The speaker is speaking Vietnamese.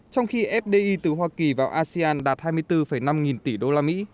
trong khi fdi từ hoa kỳ vào asean đạt hai mươi bốn năm nghìn tỷ usd